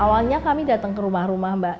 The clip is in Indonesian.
awalnya kami datang ke rumah rumah mbak